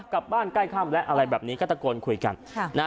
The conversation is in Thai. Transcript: กลับบ้านใกล้ข้ามแล้วอะไรแบบนี้ก็ตะโกนคุยกัน